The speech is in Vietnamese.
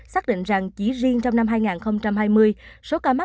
xác định rằng chỉ riêng trong năm hai nghìn hai mươi